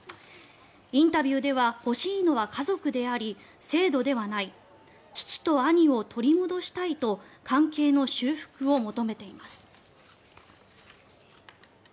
インタビューでは欲しいのは家族であり、制度ではない父と兄を取り戻したいと関係の修復を求めています。